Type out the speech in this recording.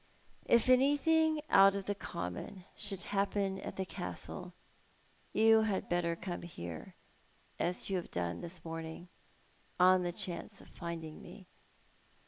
If anything out of the common should happen at the Castle you had better come here, as you have done this morning, on the chance of finding me.